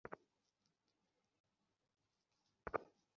তারপর তারা তাকে শূলে চড়াল এবং তার শরীরে প্রস্তর নিক্ষেপ করল।